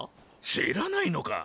知らないのか？